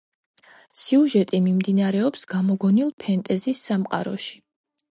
სიუჟეტი მიმდინარეობს გამოგონილ ფენტეზის სამყაროში.